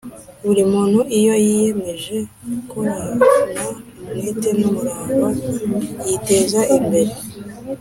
buri muntu iyo yiyemeje gukorana umwete n'umurava yiteza imbere